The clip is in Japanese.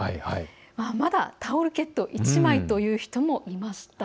まだ、タオルケット１枚という人もいました。